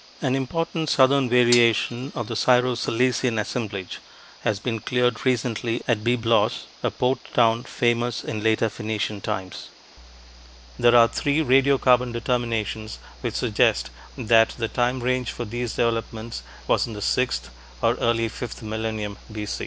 An important southern variation of the Syro Cilician assemblage has been cleared recently at Byblos, a port town famous in later Phoenician times. There are three radiocarbon determinations which suggest that the time range for these developments was in the sixth or early fifth millennium B.